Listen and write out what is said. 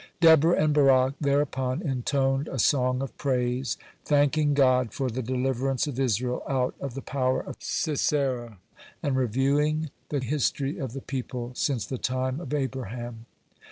(89) Deborah and Barak thereupon intoned a song of praise, thanking God for the deliverance of Israel out of the power of Sisera, and reviewing the history of the people since the time of Abraham.